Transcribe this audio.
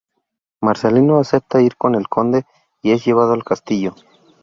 Marcelino acepta ir con el conde y es llevado al castillo.